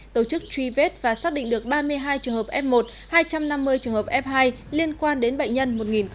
tổ chức truy vết và xác định được ba mươi hai trường hợp f một hai trăm năm mươi trường hợp f hai liên quan đến bệnh nhân một nghìn bốn mươi năm